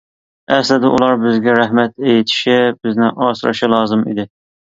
ئەسلىدە ئۇلار بىزگە رەھمەت ئېيتىشى، بىزنى ئاسرىشى لازىم ئىدى.